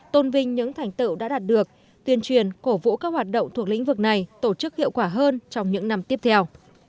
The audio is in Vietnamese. tôn vinh những thành tựu đã đạt được tuyên truyền cổ vũ các hoạt động thuộc lĩnh vực này tổ chức hiệu quả hơn trong những năm tiếp theo